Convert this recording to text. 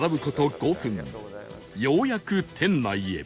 ようやく店内へ